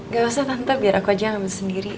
gak usah tante biar aku aja ngambil sendiri